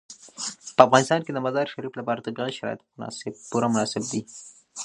په افغانستان کې د مزارشریف لپاره طبیعي شرایط پوره مناسب دي.